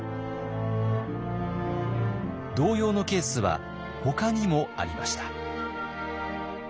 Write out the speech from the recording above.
同様のケースはほかにもありました。